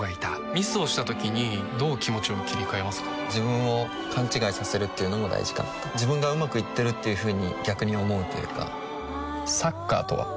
ミスをした時にどう気持ちを切り替えますか自分を勘違いさせるっていうのも大事かなと自分がうまくいってるっていうふうに逆に思うというかサッカーとは？